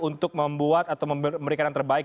untuk membuat atau memberikan yang terbaik